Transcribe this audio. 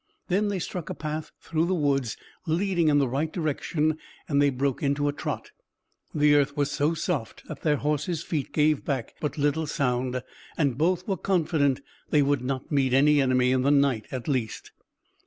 Then they struck a path through the woods leading in the right direction, and they broke into a trot. The earth was so soft that their horses' feet gave back but little sound, and both were confident they would not meet any enemy in the night at least.